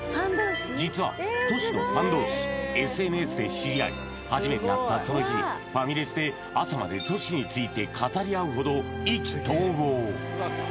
実はＴｏｓｈｌのファン同士ＳＮＳで知り合い初めて会ったその日にファミレスで朝までＴｏｓｈｌについて語り合うほど意気投合